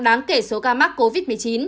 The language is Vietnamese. đáng kể số ca mắc covid một mươi chín